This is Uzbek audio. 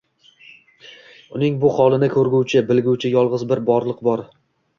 Uning bu holini ko'rguvchi, bilguvchi yolg'iz bir Borliq bor...